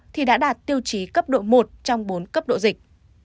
thì đã đạt tiêu chí cấp độ một trong bốn cấp độ dịch